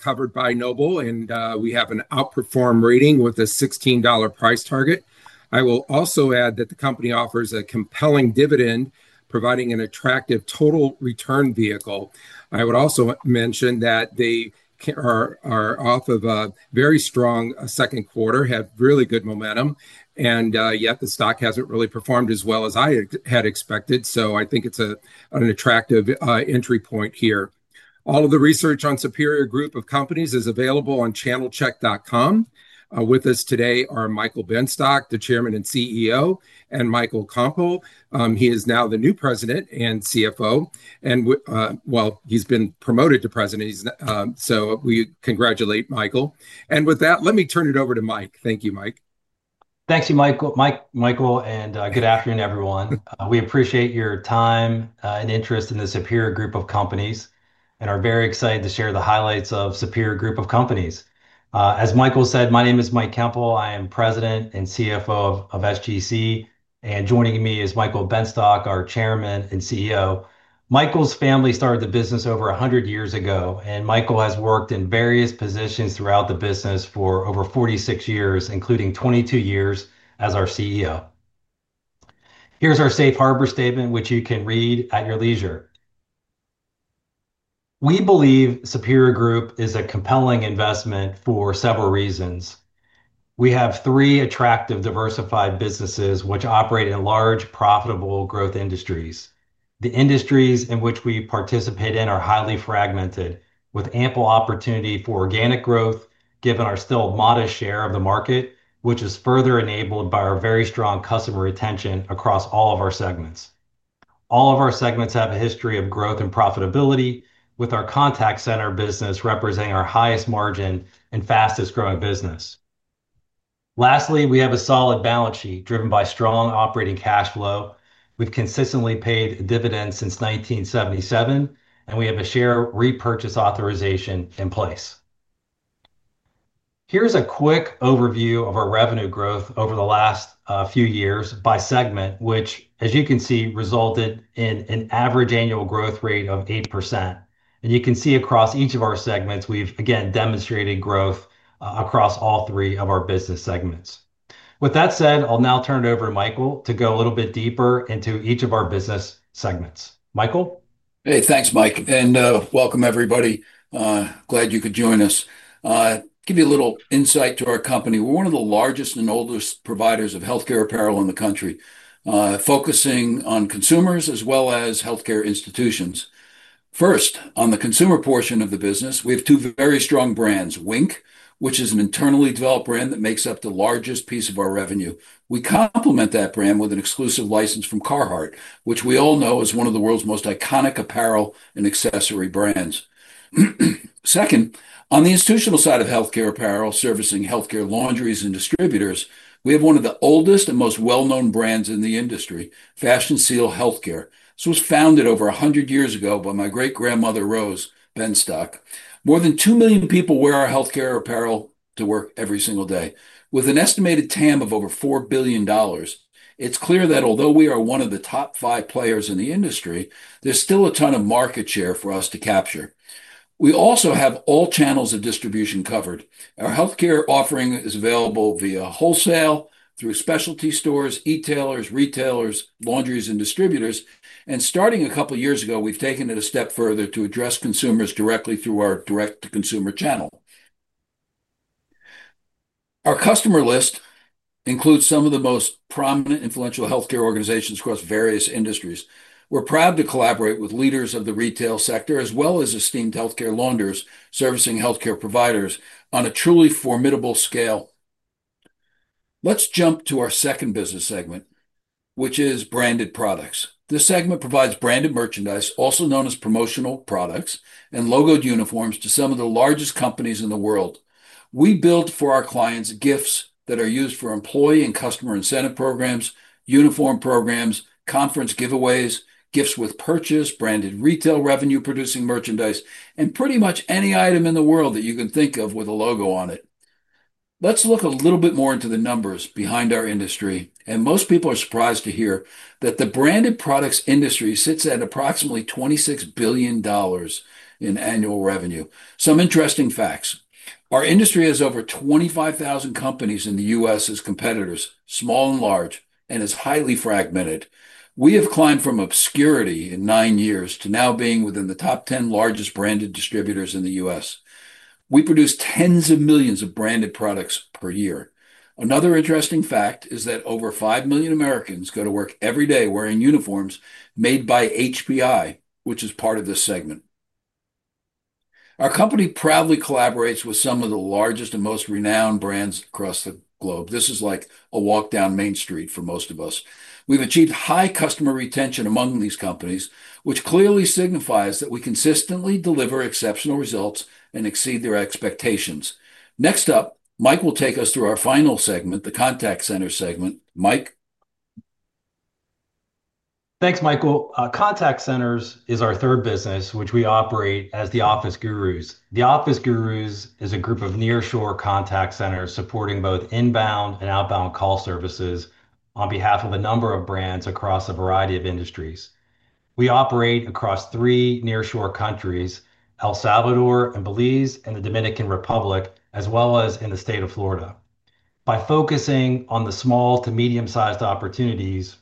Covered by NOBLE, and we have an outperform rating with a $16 price target. I will also add that the company offers a compelling dividend, providing an attractive total return vehicle. I would also mention that they are off of a very strong second quarter, have really good momentum, yet the stock hasn't really performed as well as I had expected. I think it's an attractive entry point here. All of the research on Superior Group of Companies is available on channelcheck.com. With us today are Michael Benstock, the Chairman and CEO, and Michael Koempel. He is now the new President and CFO. While he's been promoted to President, we congratulate Michael. With that, let me turn it over to Mike. Thank you, Mike. Thank you, Michael. Good afternoon, everyone. We appreciate your time and interest in Superior Group of Companies and are very excited to share the highlights of Superior Group of Companies. As Michael said, my name is Michael Koempel. I am President and CFO of SGC. Joining me is Michael Benstock, our Chairman and CEO. Michael's family started the business over 100 years ago, and Michael has worked in various positions throughout the business for over 46 years, including 22 years as our CEO. Here is our safe harbor statement, which you can read at your leisure. We believe Superior Group is a compelling investment for several reasons. We have three attractive, diversified businesses which operate in large, profitable growth industries. The industries in which we participate are highly fragmented, with ample opportunity for organic growth, given our still modest share of the market, which is further enabled by our very strong customer retention across all of our segments. All of our segments have a history of growth and profitability, with our contact center business representing our highest margin and fastest growing business. Lastly, we have a solid balance sheet driven by strong operating cash flow, with consistently paid dividends since 1977. We have a share repurchase authorization in place. Here is a quick overview of our revenue growth over the last few years by segment, which, as you can see, resulted in an average annual growth rate of 8%. You can see across each of our segments, we've again demonstrated growth across all three of our business segments. With that said, I'll now turn it over to Michael to go a little bit deeper into each of our business segments. Michael. Hey, thanks, Mike, and welcome, everybody. Glad you could join us. To give you a little insight to our company, we're one of the largest and oldest providers of healthcare apparel in the country, focusing on consumers as well as healthcare institutions. First, on the consumer portion of the business, we have two very strong brands: Wink, which is an internally developed brand that makes up the largest piece of our revenue. We complement that brand with an exclusive license from Carhartt, which we all know is one of the world's most iconic apparel and accessory brands. On the institutional side of healthcare apparel, servicing healthcare laundries and distributors, we have one of the oldest and most well-known brands in the industry: Fashion Seal Healthcare. This was founded over 100 years ago by my great-grandmother, Rose Benstock. More than 2 million people wear our healthcare apparel to work every single day. With an estimated TAM of over $4 billion, it's clear that although we are one of the top five players in the industry, there's still a ton of market share for us to capture. We also have all channels of distribution covered. Our healthcare offering is available via wholesale, through specialty stores, e-tailers, retailers, laundries, and distributors. Starting a couple of years ago, we've taken it a step further to address consumers directly through our direct-to-consumer channel. Our customer list includes some of the most prominent, influential healthcare organizations across various industries. We're proud to collaborate with leaders of the retail sector, as well as esteemed healthcare laundries, servicing healthcare providers on a truly formidable scale. Let's jump to our second business segment, which is branded products. This segment provides branded merchandise, also known as promotional products, and logoed uniforms to some of the largest companies in the world. We build for our clients gifts that are used for employee and customer incentive programs, uniform programs, conference giveaways, gifts with purchase, branded retail revenue-producing merchandise, and pretty much any item in the world that you can think of with a logo on it. Let's look a little bit more into the numbers behind our industry. Most people are surprised to hear that the branded products industry sits at approximately $26 billion in annual revenue. Some interesting facts. Our industry has over 25,000 companies in the U.S. as competitors, small and large, and is highly fragmented. We have climbed from obscurity in nine years to now being within the top 10 largest branded distributors in the U.S. We produce tens of millions of branded products per year. Another interesting fact is that over 5 million Americans go to work every day wearing uniforms made by HPI, which is part of this segment. Our company proudly collaborates with some of the largest and most renowned brands across the globe. This is like a walk down Main Street for most of us. We've achieved high customer retention among these companies, which clearly signifies that we consistently deliver exceptional results and exceed their expectations. Next up, Mike will take us through our final segment, the contact center segment. Mike. Thanks, Michael. Contact centers are our third business, which we operate as The Office Gurus. The Office Gurus is a group of nearshore contact centers supporting both inbound and outbound call services on behalf of a number of brands across a variety of industries. We operate across three nearshore countries: El Salvador, Belize, and the Dominican Republic, as well as in the state of Florida. By focusing on the small to medium-sized opportunities,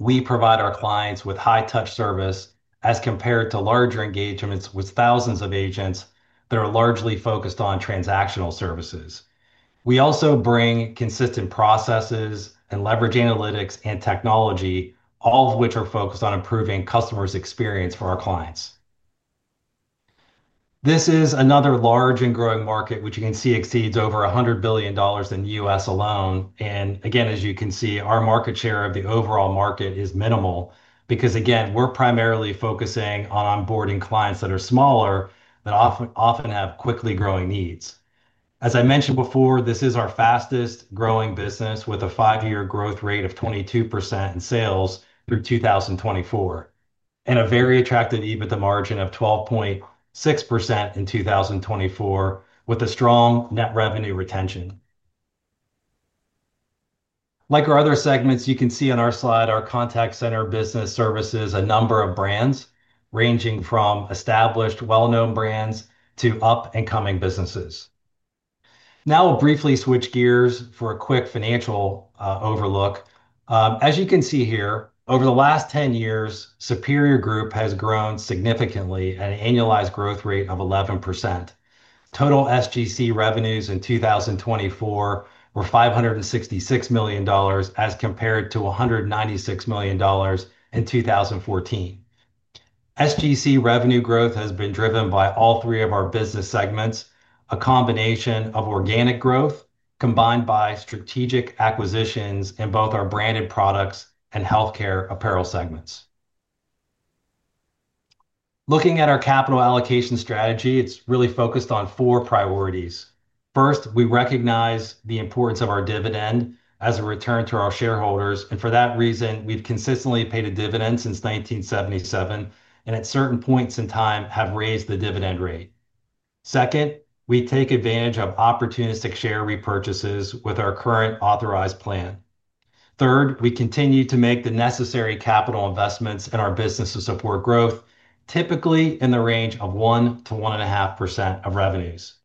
we provide our clients with high-touch service as compared to larger engagements with thousands of agents that are largely focused on transactional services. We also bring consistent processes and leverage analytics and technology, all of which are focused on improving customer experience for our clients. This is another large and growing market, which you can see exceeds over $100 billion in the U.S. alone. As you can see, our market share of the overall market is minimal because we're primarily focusing on onboarding clients that are smaller, that often have quickly growing needs. As I mentioned before, this is our fastest growing business, with a five-year growth rate of 22% in sales through 2024, and a very attractive EBITDA margin of 12.6% in 2024, with a strong net revenue retention. Like our other segments, you can see on our slide our contact center business services a number of brands, ranging from established, well-known brands to up-and-coming businesses. Now, I'll briefly switch gears for a quick financial overlook. As you can see here, over the last 10 years, Superior Group has grown significantly at an annualized growth rate of 11%. Total SGC revenues in 2024 were $566 million, as compared to $196 million in 2014. SGC revenue growth has been driven by all three of our business segments: a combination of organic growth combined with strategic acquisitions in both our branded products and healthcare apparel segments. Looking at our capital allocation strategy, it's really focused on four priorities. First, we recognize the importance of our dividend as a return to our shareholders. For that reason, we've consistently paid a dividend since 1977, and at certain points in time, have raised the dividend rate. Second, we take advantage of opportunistic share repurchases with our current authorized plan. Third, we continue to make the necessary capital investments in our business to support growth, typically in the range of 1%-1.5% of revenues.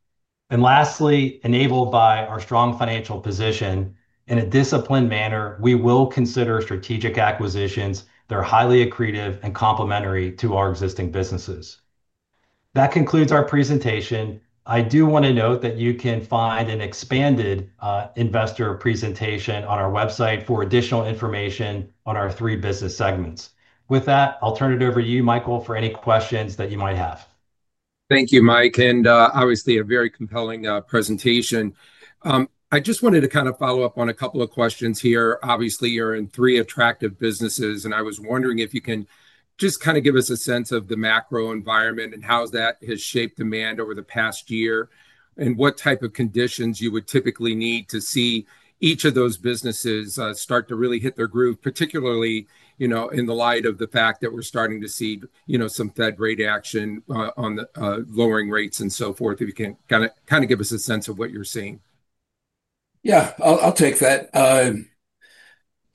Lastly, enabled by our strong financial position, in a disciplined manner, we will consider strategic acquisitions that are highly accretive and complementary to our existing businesses. That concludes our presentation. I do want to note that you can find an expanded investor presentation on our website for additional information on our three business segments. With that, I'll turn it over to you, Michael, for any questions that you might have. Thank you, Mike, and obviously a very compelling presentation. I just wanted to kind of follow up on a couple of questions here. Obviously, you're in three attractive businesses, and I was wondering if you can just kind of give us a sense of the macro environment and how that has shaped demand over the past year, and what type of conditions you would typically need to see each of those businesses start to really hit their groove, particularly in the light of the fact that we're starting to see some Fed rate action on lowering rates and so forth. If you can kind of give us a sense of what you're seeing. Yeah. I'll take that.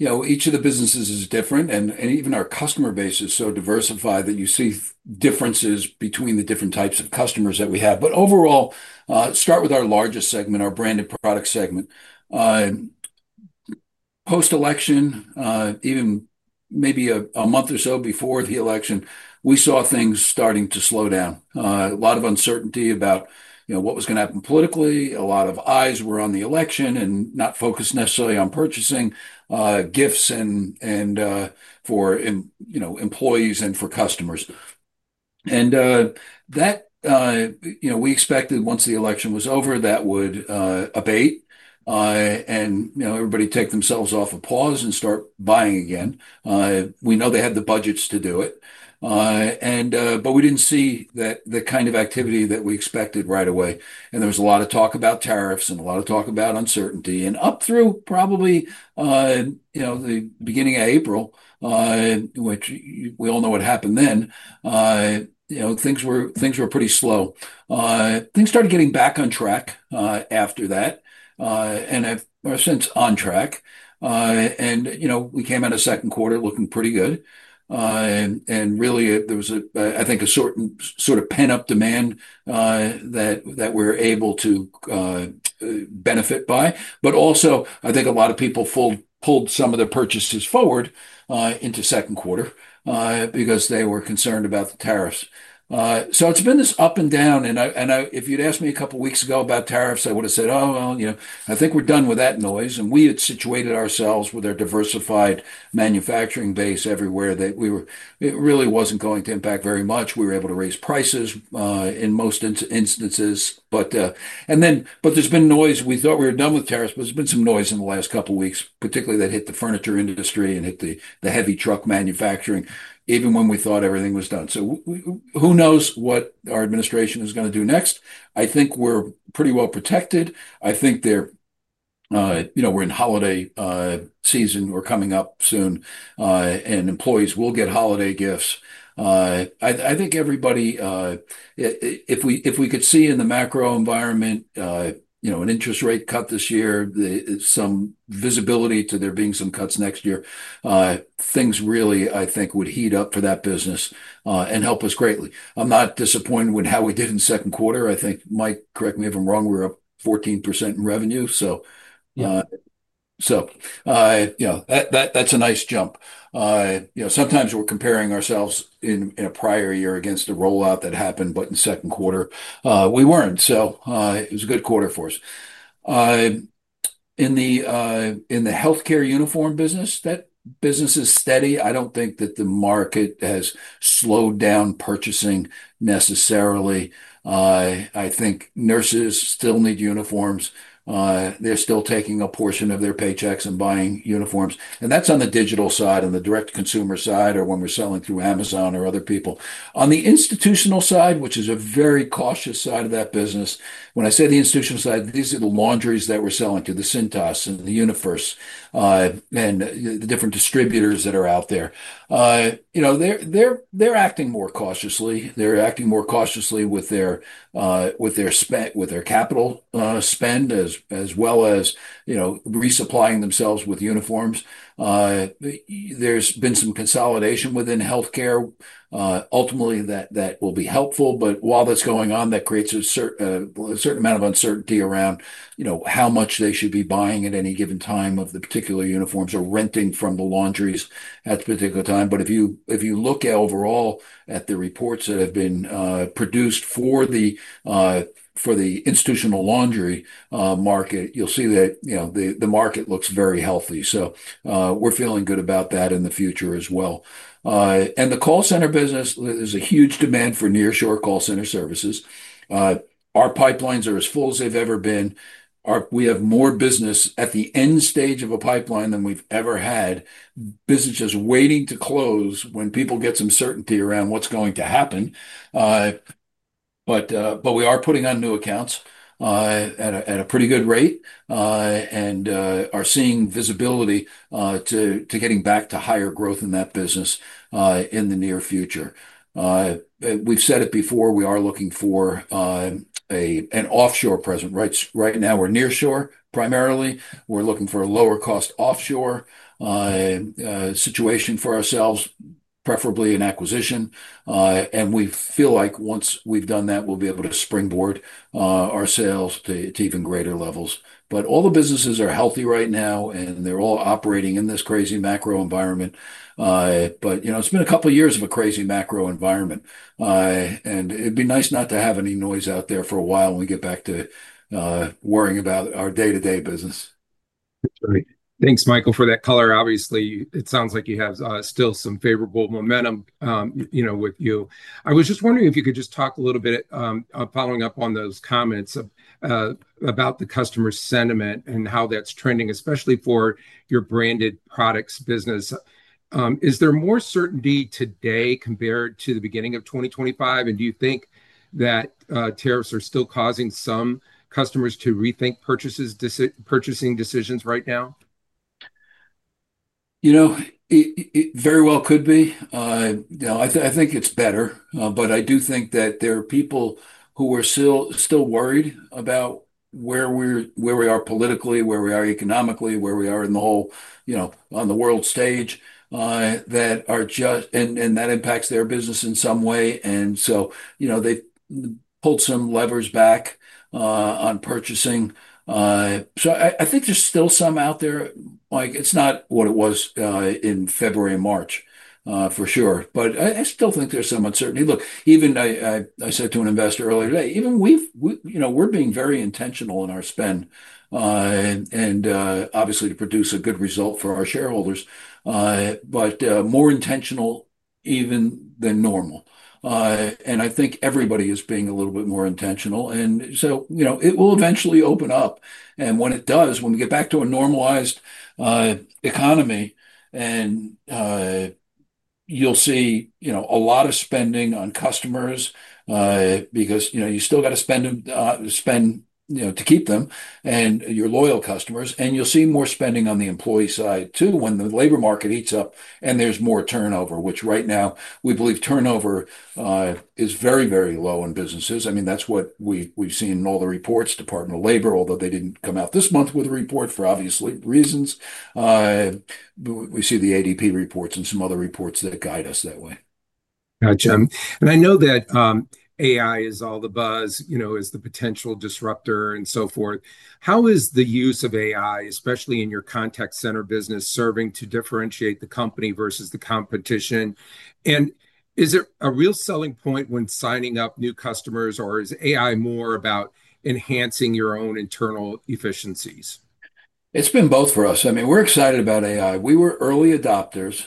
Each of the businesses is different, and even our customer base is so diversified that you see differences between the different types of customers that we have. Overall, start with our largest segment, our branded products segment. Post-election, even maybe a month or so before the election, we saw things starting to slow down. A lot of uncertainty about what was going to happen politically. A lot of eyes were on the election and not focused necessarily on purchasing gifts and for employees and for customers. We expected once the election was over, that would abate, and everybody take themselves off a pause and start buying again. We know they had the budgets to do it, but we didn't see the kind of activity that we expected right away. There was a lot of talk about tariffs and a lot of talk about uncertainty. Up through probably the beginning of April, which we all know what happened then, things were pretty slow. Things started getting back on track after that, and are since on track. We came out of the second quarter looking pretty good. There was, I think, a sort of pent-up demand that we're able to benefit by. Also, I think a lot of people pulled some of their purchases forward into the second quarter because they were concerned about the tariffs. It's been this up and down. If you'd asked me a couple of weeks ago about tariffs, I would have said, "Oh, well, I think we're done with that noise." We had situated ourselves with our diversified manufacturing base everywhere. It really wasn't going to impact very much. We were able to raise prices in most instances. There's been noise. We thought we were done with tariffs, but there's been some noise in the last couple of weeks, particularly that hit the furniture industry and hit the heavy truck manufacturing, even when we thought everything was done. Who knows what our administration is going to do next? I think we're pretty well protected. I think we're in holiday season. We're coming up soon, and employees will get holiday gifts. I think everybody, if we could see in the macro environment an interest rate cut this year, some visibility to there being some cuts next year, things really, I think, would heat up for that business and help us greatly. I'm not disappointed with how we did in the second quarter. I think, Mike, correct me if I'm wrong, we're up 14% in revenue. That's a nice jump. Sometimes we're comparing ourselves in a prior year against a rollout that happened, but in the second quarter, we weren't. It was a good quarter for us. In the healthcare apparel business, that business is steady. I don't think that the market has slowed down purchasing necessarily. I think nurses still need uniforms. They're still taking a portion of their paychecks and buying uniforms. That's on the digital side, on the direct-to-consumer side, or when we're selling through Amazon or other people. On the institutional side, which is a very cautious side of that business, when I say the institutional side, these are the laundries that we're selling to, the Cintas and the UniFirst, and the different distributors that are out there. They're acting more cautiously. They're acting more cautiously with their spend, with their capital spend, as well as resupplying themselves with uniforms. There's been some consolidation within healthcare. Ultimately, that will be helpful. While that's going on, that creates a certain amount of uncertainty around how much they should be buying at any given time of the particular uniforms or renting from the laundries at the particular time. If you look overall at the reports that have been produced for the institutional laundry market, you'll see that the market looks very healthy. We're feeling good about that in the future as well. The contact center business, there's a huge demand for nearshore contact center services. Our pipelines are as full as they've ever been. We have more business at the end stage of a pipeline than we've ever had. Businesses waiting to close when people get some certainty around what's going to happen. We are putting on new accounts at a pretty good rate and are seeing visibility to getting back to higher growth in that business in the near future. We've said it before, we are looking for an offshore presence. Right now, we're nearshore primarily. We're looking for a lower-cost offshore situation for ourselves, preferably an acquisition. We feel like once we've done that, we'll be able to springboard our sales to even greater levels. All the businesses are healthy right now, and they're all operating in this crazy macro environment. It's been a couple of years of a crazy macro environment. It would be nice not to have any noise out there for a while and get back to worrying about our day-to-day business. Thanks, Michael, for that color. Obviously, it sounds like you have still some favorable momentum with you. I was just wondering if you could just talk a little bit following up on those comments about the customer sentiment and how that's trending, especially for your branded products business. Is there more certainty today compared to the beginning of 2025? Do you think that tariffs are still causing some customers to rethink purchasing decisions right now? It very well could be. I think it's better, but I do think that there are people who are still worried about where we are politically, where we are economically, where we are in the whole on the world stage that are just, and that impacts their business in some way. They pulled some levers back on purchasing. I think there's still some out there. It's not what it was in February and March for sure, but I still think there's some uncertainty. Look, even I said to an investor earlier today, even we're being very intentional in our spend and obviously to produce a good result for our shareholders, but more intentional even than normal. I think everybody is being a little bit more intentional. It will eventually open up. When it does, when we get back to a normalized economy, you'll see a lot of spending on customers because you still got to spend to keep them and your loyal customers. You'll see more spending on the employee side too when the labor market heats up and there's more turnover, which right now we believe turnover is very, very low in businesses. That's what we've seen in all the reports. The Department of Labor, although they didn't come out this month with a report for obvious reasons, we see the ADP reports and some other reports that guide us that way. Gotcha. I know that AI is all the buzz, you know, as the potential disruptor and so forth. How is the use of AI, especially in your contact center business, serving to differentiate the company versus the competition? Is it a real selling point when signing up new customers, or is AI more about enhancing your own internal efficiencies? It's been both for us. I mean, we're excited about AI. We were early adopters,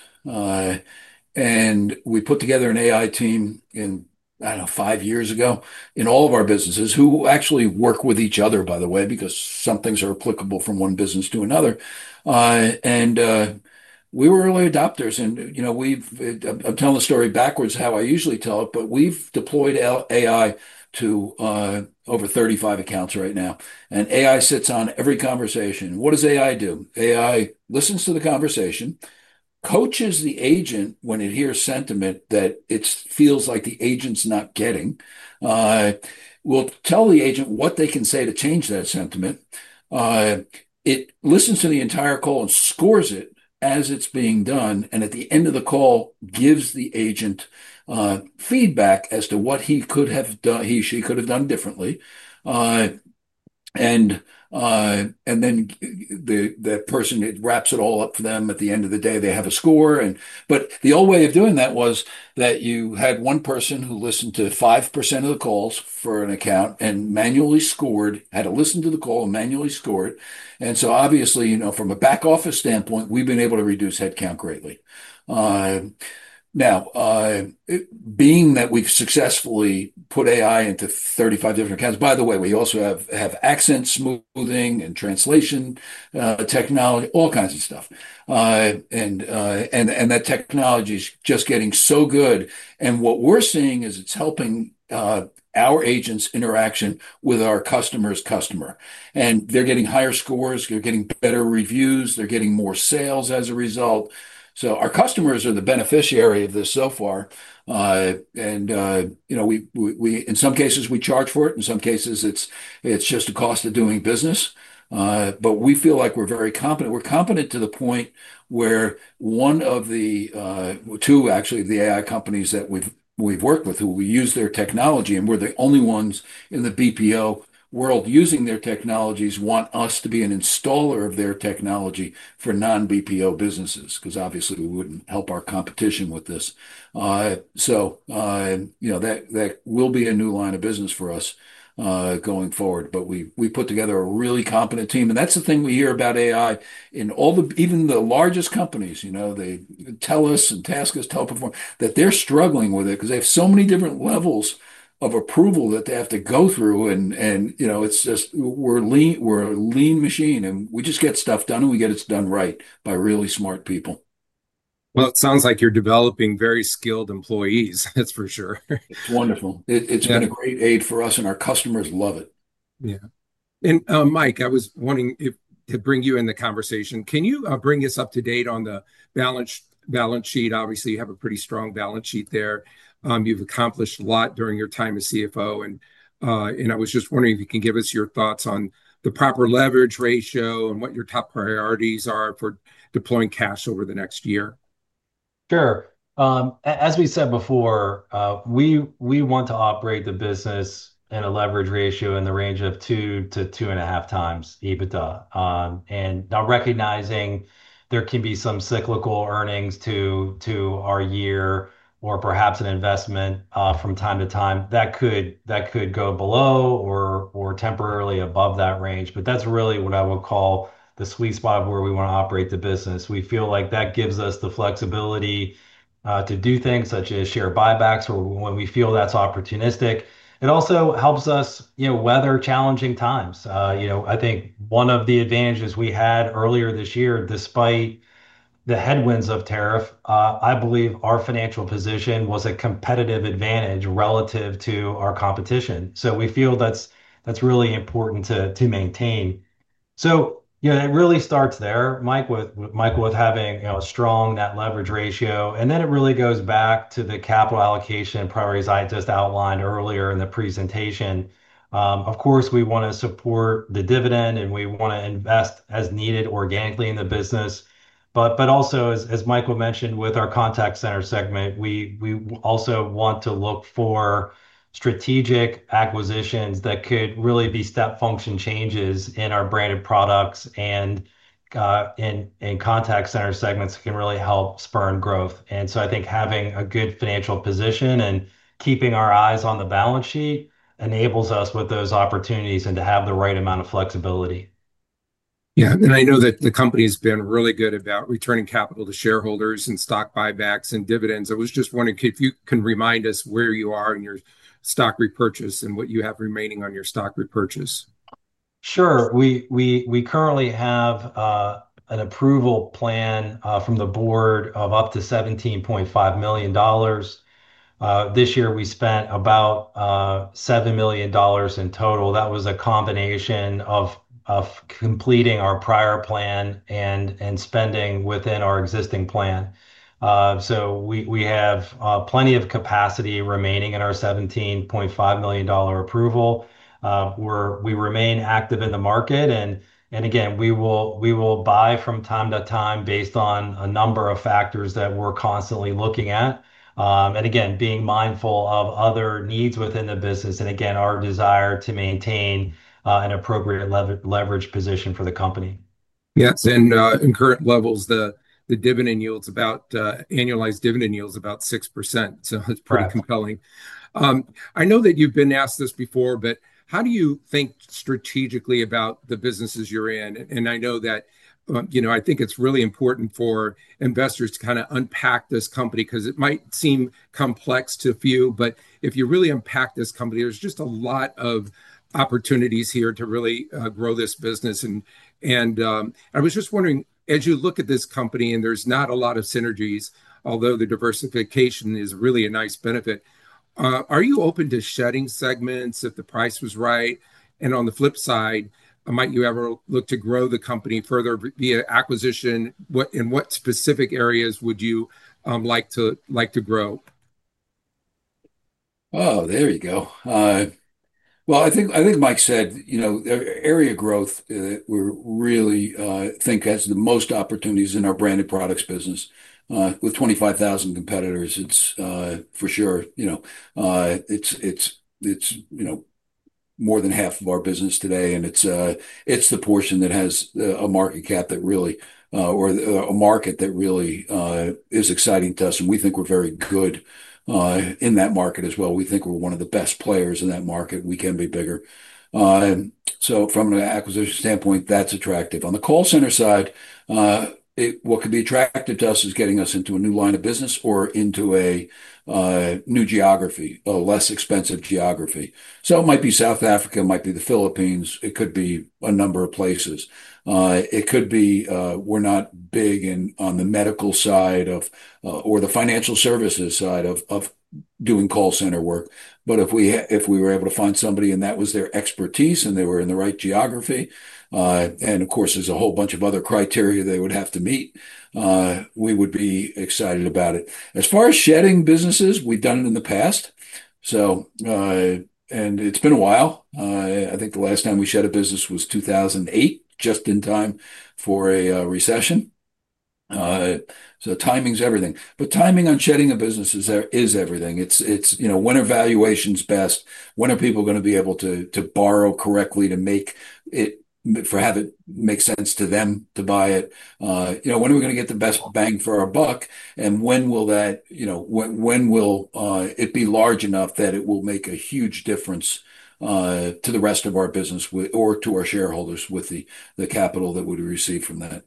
and we put together an AI team in, I don't know, five years ago in all of our businesses who actually work with each other, by the way, because some things are applicable from one business to another. We were early adopters. You know, I'm telling the story backwards, how I usually tell it, but we've deployed AI to over 35 accounts right now. AI sits on every conversation. What does AI do? AI listens to the conversation, coaches the agent when it hears sentiment that it feels like the agent's not getting, will tell the agent what they can say to change that sentiment. It listens to the entire call and scores it as it's being done, and at the end of the call, gives the agent feedback as to what he could have done, he or she could have done differently. That person wraps it all up for them. At the end of the day, they have a score. The old way of doing that was that you had one person who listened to 5% of the calls for an account and manually scored, had to listen to the call and manually score it. Obviously, you know, from a back-office standpoint, we've been able to reduce headcount greatly. Now, being that we've successfully put AI into 35 different accounts, by the way, we also have accent smoothing and translation technology, all kinds of stuff. That technology is just getting so good. What we're seeing is it's helping our agents' interaction with our customer's customer. They're getting higher scores, they're getting better reviews, they're getting more sales as a result. Our customers are the beneficiary of this so far. You know, in some cases, we charge for it. In some cases, it's just the cost of doing business. We feel like we're very competent. We're competent to the point where one of the two, actually, the AI companies that we've worked with, who we use their technology, and we're the only ones in the BPO world using their technologies, want us to be an installer of their technology for non-BPO businesses because obviously, we wouldn't help our competition with this. That will be a new line of business for us going forward. We put together a really competent team. That's the thing we hear about AI in all the, even the largest companies. They tell us and task us to help them that they're struggling with it because they have so many different levels of approval that they have to go through. It's just we're a lean machine, and we just get stuff done, and we get it done right by really smart people. It sounds like you're developing very skilled employees. That's for sure. It's wonderful. It's been a great aid for us, and our customers love it. Yeah. Mike, I was wanting to bring you in the conversation. Can you bring us up to date on the balance sheet? Obviously, you have a pretty strong balance sheet there. You've accomplished a lot during your time as CFO. I was just wondering if you can give us your thoughts on the proper leverage ratio and what your top priorities are for deploying cash over the next year. Sure. As we said before, we want to operate the business in a leverage ratio in the range of 2x–2.5x EBITDA. Now, recognizing there can be some cyclical earnings to our year or perhaps an investment from time to time that could go below or temporarily above that range, that's really what I would call the sweet spot where we want to operate the business. We feel like that gives us the flexibility to do things such as share buybacks when we feel that's opportunistic. It also helps us weather challenging times. I think one of the advantages we had earlier this year, despite the headwinds of tariff, I believe our financial position was a competitive advantage relative to our competition. We feel that's really important to maintain. It really starts there, Mike, with having a strong net leverage ratio. Then it really goes back to the capital allocation priorities I just outlined earlier in the presentation. Of course, we want to support the dividend, and we want to invest as needed organically in the business. Also, as Michael mentioned, with our contact center segment, we want to look for strategic acquisitions that could really be step function changes in our branded products and contact center segments that can really help spur growth. I think having a good financial position and keeping our eyes on the balance sheet enables us with those opportunities and to have the right amount of flexibility. I know that the company has been really good about returning capital to shareholders and stock buybacks and dividends. I was just wondering if you can remind us where you are in your stock repurchase and what you have remaining on your stock repurchase. Sure. We currently have an approval plan from the board of up to $17.5 million. This year, we spent about $7 million in total. That was a combination of completing our prior plan and spending within our existing plan. We have plenty of capacity remaining in our $17.5 million approval. We remain active in the market. We will buy from time to time based on a number of factors that we're constantly looking at, being mindful of other needs within the business and our desire to maintain an appropriate leverage position for the company. Yes. At current levels, the dividend yield, the annualized dividend yield, is about 6%. That's pretty compelling. I know that you've been asked this before, but how do you think strategically about the businesses you're in? I know that I think it's really important for investors to kind of unpack this company because it might seem complex to a few. If you really unpack this company, there's just a lot of opportunities here to really grow this business. I was just wondering, as you look at this company, and there's not a lot of synergies, although the diversification is really a nice benefit, are you open to shedding segments if the price was right? On the flip side, might you ever look to grow the company further via acquisition? In what specific areas would you like to grow? I think Mike said area growth, we really think has the most opportunities in our branded products business. With 25,000 competitors, it's for sure more than half of our business today. It's the portion that has a market cap that really, or a market that really is exciting to us. We think we're very good in that market as well. We think we're one of the best players in that market. We can be bigger. From an acquisition standpoint, that's attractive. On the call center side, what could be attractive to us is getting us into a new line of business or into a new geography, a less expensive geography. It might be South Africa, it might be the Philippines, it could be a number of places. We're not big on the medical side or the financial services side of doing call center work. If we were able to find somebody and that was their expertise and they were in the right geography, and of course, there's a whole bunch of other criteria they would have to meet, we would be excited about it. As far as shedding businesses, we've done it in the past. It's been a while. I think the last time we shed a business was 2008, just in time for a recession. Timing is everything. Timing on shedding a business is everything. It's when are valuations best? When are people going to be able to borrow correctly to have it make sense to them to buy it? When are we going to get the best bang for our buck? When will that, you know, when will it be large enough that it will make a huge difference to the rest of our business or to our shareholders with the capital that we'd receive from that?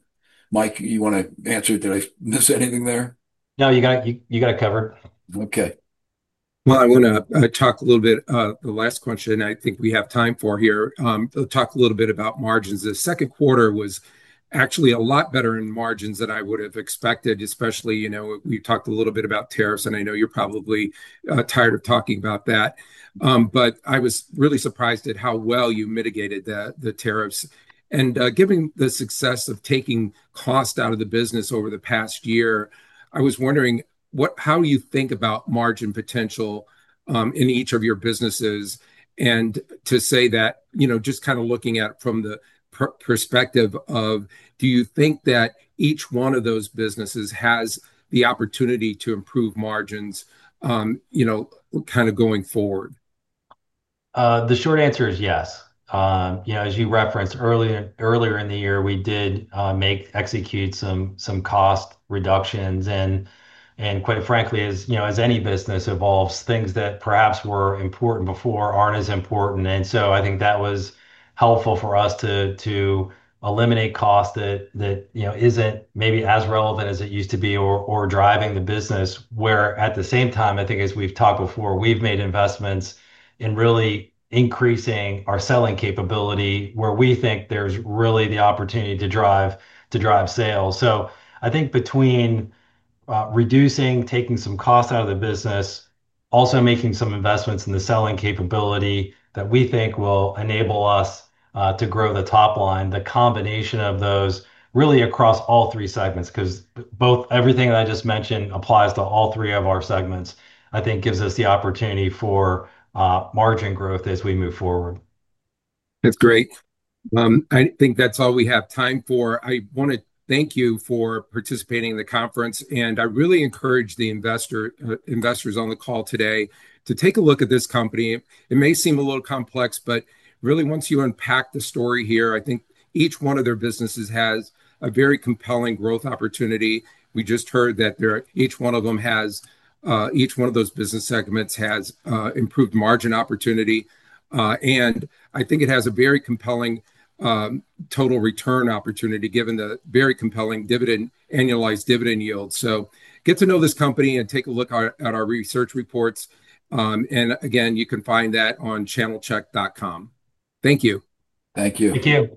Mike, you want to answer it? Did I miss anything there? No, you got it covered. I want to talk a little bit, the last question, and I think we have time for here. Talk a little bit about margins. The second quarter was actually a lot better in margins than I would have expected, especially, you know, we talked a little bit about tariffs, and I know you're probably tired of talking about that. I was really surprised at how well you mitigated the tariffs. Given the success of taking cost out of the business over the past year, I was wondering, how do you think about margin potential in each of your businesses? To say that, you know, just kind of looking at it from the perspective of, do you think that each one of those businesses has the opportunity to improve margins, you know, kind of going forward? The short answer is yes. As you referenced earlier in the year, we did execute some cost reductions. Quite frankly, as any business evolves, things that perhaps were important before aren't as important. I think that was helpful for us to eliminate cost that isn't maybe as relevant as it used to be or driving the business. At the same time, I think as we've talked before, we've made investments in really increasing our selling capability where we think there's really the opportunity to drive sales. I think between reducing, taking some cost out of the business, also making some investments in the selling capability that we think will enable us to grow the top line, the combination of those really across all three segments, because everything that I just mentioned applies to all three of our segments, gives us the opportunity for margin growth as we move forward. That's great. I think that's all we have time for. I want to thank you for participating in the conference. I really encourage the investors on the call today to take a look at this company. It may seem a little complex, but really, once you unpack the story here, I think each one of their businesses has a very compelling growth opportunity. We just heard that each one of those business segments has improved margin opportunity. I think it has a very compelling total return opportunity, given the very compelling annualized dividend yield. Get to know this company and take a look at our research reports. You can find that on channelcheck.com. Thank you. Thank you. Take care.